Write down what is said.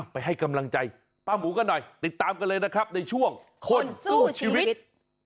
ไปให้กำลังใจป้าหมูกันหน่อยติดตามกันเลยนะครับในช่วงคนสู้ชีวิต